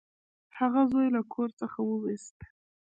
هغه زوی له کور څخه وویست.